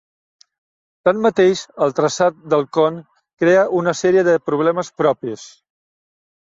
Tanmateix, el traçat del con crea una sèrie de problemes propis.